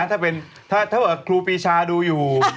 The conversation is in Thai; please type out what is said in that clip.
ถ้าเป็นถ้าเกราะครูปีชาดูอยู่